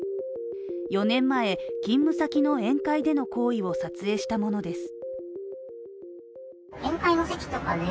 ４年前、勤務先の宴会での行為を撮影したものです。